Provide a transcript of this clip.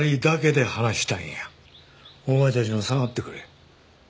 お前たちも下がってくれ。